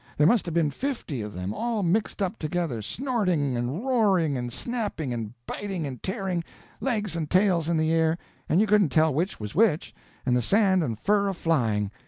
There must 'a' been fifty of them, all mixed up together, snorting and roaring and snapping and biting and tearing, legs and tails in the air, and you couldn't tell which was which, and the sand and fur a flying.